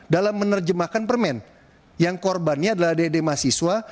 dalam menerjemahkan permen yang korbannya adalah adik adik mahasiswa